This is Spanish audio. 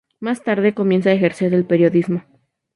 Más tarde comienza a ejercer el periodismo.